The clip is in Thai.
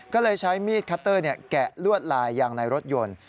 ก็เลยใช้มีดคัตเตอร์แกะลวดลายยางในรถยนต์